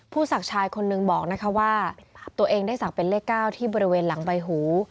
ศักดิ์ชายคนนึงบอกนะคะว่าตัวเองได้ศักดิ์เป็นเลข๙ที่บริเวณหลังใบหู